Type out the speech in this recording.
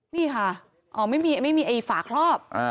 นี่ค่ะไม่มีไอ้ฝาครอบ